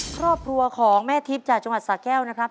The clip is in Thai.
ครอบครัวของแม่ทิพย์จากจังหวัดสาแก้วนะครับ